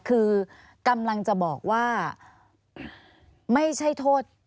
คือกำลังจะบอกว่าไม่ใช่โทษ